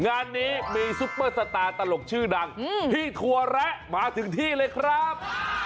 งานนี้มีซุปเปอร์สตาร์ตลกชื่อดังพี่ถั่วแระมาถึงที่เลยครับ